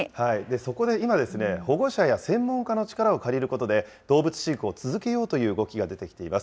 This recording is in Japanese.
そこで今ですね、保護者や専門家の力を借りることで、動物飼育を続けようという動きが出てきています。